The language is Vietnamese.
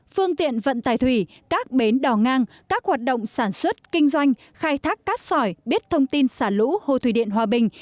phương tiện vận tải thủy các bến đò ngang các hoạt động sản xuất kinh doanh khai thác cát sỏi biết thông tin xả lũ hồ thủy điện hòa bình